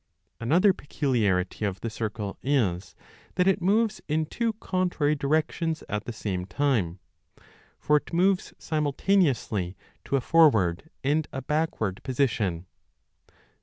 Another peculiarity of the circle is that it moves in two 5 contrary directions at the same time ; for it moves simul taneously to a forward and a backward position.